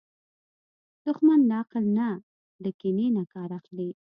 دښمن له عقل نه، له کینې نه کار اخلي